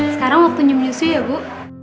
sekarang waktu nyum nyusui ya bu